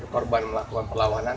korban melakukan perlawanan